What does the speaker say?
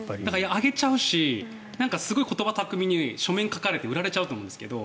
上げちゃうし、すごい言葉巧みに書面を書かれて売られちゃうと思うんですけど。